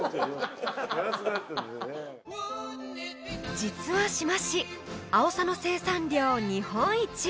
実は志摩市あおさの生産量日本一！